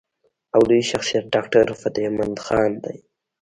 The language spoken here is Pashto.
او لوئ شخصيت ډاکټر فتح مند خان دے ۔